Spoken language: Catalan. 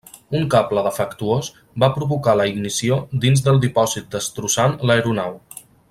Un cable defectuós va provocar la ignició dins del dipòsit destrossant l'aeronau.